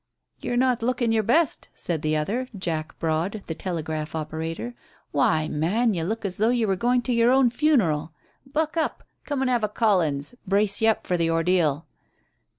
"You're not looking your best," said the other, Jack Broad, the telegraph operator. "Why, man, you look as though you were going to your own funeral. Buck up! Come and have a 'Collins'; brace you up for the ordeal."